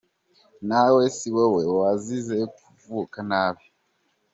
Nawe si wowe wazize kuvuka nabi.